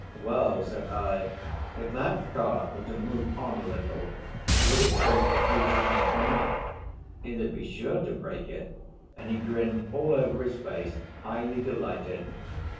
'Well,' said I, 'if that cart were to move on a little, would it break the goose's neck or not?' 'It'd be sure to break it,' and he grinned all over his face, highly delighted.